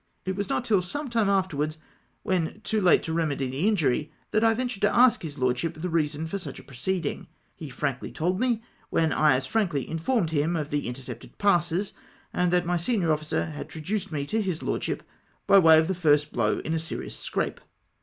It w^as not till some time afterwards, when too late to remedy the injury, that I ventured to ask his Lordship the reason of such a proceeding. He frankly told me, when I as frankly informed him of the intercepted passes, and that my senior officer had traduced me to his Lordship, by way of first blow in a serious scrape.